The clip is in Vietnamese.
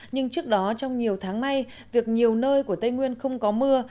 nhưng trước đó trong nhiều tháng nay việc nhiều nơi của tây nguyên không có mưa